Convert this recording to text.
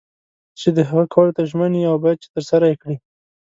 چې د هغه کولو ته ژمن یې او باید چې ترسره یې کړې.